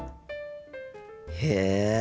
へえ。